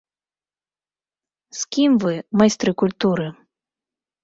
З кім вы, майстры культуры?